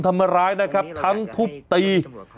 เกิดอีกนะครับทั้งทุบตี